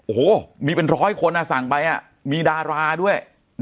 โอ้โหมีเป็นร้อยคนสั่งไปมีดาราด้วย